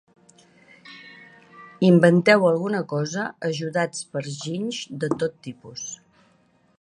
Inventeu alguna cosa ajudats per ginys de tot tipus.